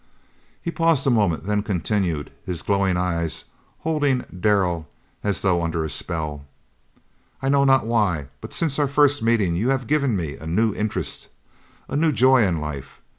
He paused a moment, then continued, his glowing eyes holding Darrell as though under a spell: "I know not why, but since our first meeting you have given me a new interest, a new joy in life.